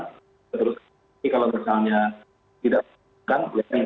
terus kalau misalnya tidak